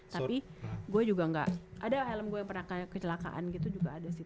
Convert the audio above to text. tapi gue juga gak ada helm gue yang pernah kecelakaan gitu juga ada sih